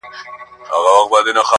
له پاڼې ـ پاڼې اوستا سره خبرې وکړه,